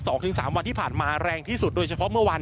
สองถึงสามวันที่ผ่านมาแรงที่สุดโดยเฉพาะเมื่อวัน